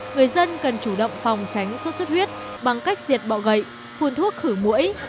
người dân cần chủ động phòng tránh sốt xuất huyết bằng cách diệt bọ gậy phun thuốc khử mũi